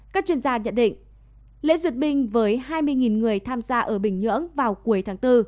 các chuyên gia nhận định lễ duyệt binh với hai mươi người tham gia ở bình nhưỡng vào cuối tháng bốn